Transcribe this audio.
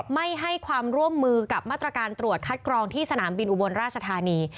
ไม่ให้ความร่วมมือกับมาตรการตรวจคัดกรองที่สนามบินอุบลราชธานี